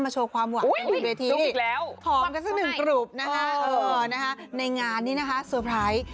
โชว์ความหวานกันบนเวทีผอมกันสักหนึ่งกลุ่มนะคะในงานนี้นะคะเตอร์ไพรส์